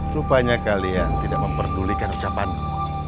rupanya kalian tidak mempertulikan ucapan ku